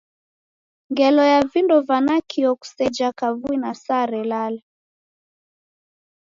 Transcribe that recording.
Ngelo ya vindo va nakio kusekeja kavui na saa relala.